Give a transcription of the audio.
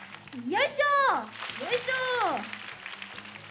よいしょ！